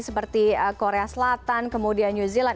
seperti korea selatan kemudian new zealand